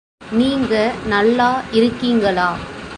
நீங்க நல்லா இருக்கீங்களா?